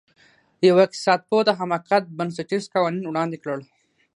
یوه اقتصادپوه د حماقت بنسټیز قوانین وړاندې کړل.